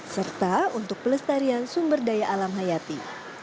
serta untuk pelestarian sumber daya alam hayati